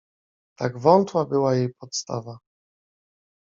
Tak wątła była jej podstawa.